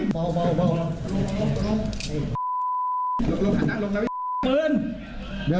อย่าตั้งลงหน้า